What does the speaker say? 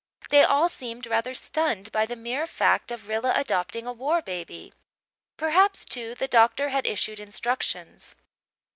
They all seemed rather stunned by the mere fact of Rilla adopting a war baby; perhaps, too, the doctor had issued instructions.